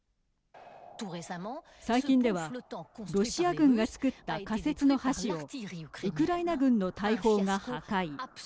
最近ではロシア軍が作った仮設の橋をウクライナ軍の大砲が破壊。